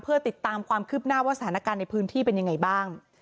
เพื่อติดตามความคืบหน้าว่าสถานการณ์ในพื้นที่เป็นยังไงบ้าง